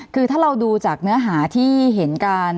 คือถ้าเราดูจากเนื้อหาที่เห็นการ